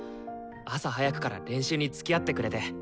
朝早くから練習につきあってくれて！